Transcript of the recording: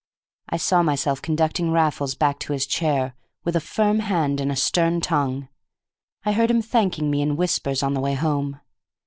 I saw myself conducting Raffles back to his chair, with a firm hand and a stern tongue. I heard him thanking me in whispers on the way home.